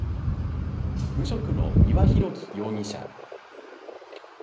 無職の丹羽洋樹容疑者。